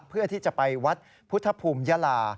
เพื่อที่จะไปวัดพุทธภูมิยาลา